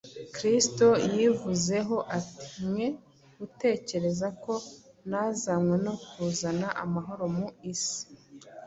Kristo yivuzeho ati: ” Mwe gutekereza ko nazanywe no kuzana amahoro mu isi: